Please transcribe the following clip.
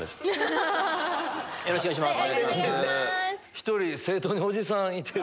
よろしくお願いします。